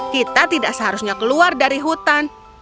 kita tidak seharusnya keluar dari hutan